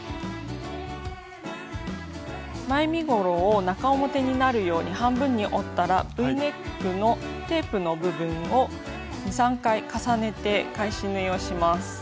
前身ごろを中表になるように半分に折ったらＶネックのテープの部分を２３回重ねて返し縫いをします。